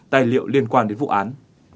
tài liệu liên quan đến vụ án